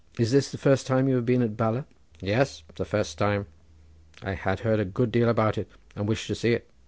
"Is this the first time you have been at Bala?" "Yes, the first time. I had heard a good deal about it, and wished to see it.